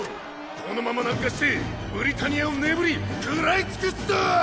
このまま南下してブリタニアをねぶり食らい尽くすぞ！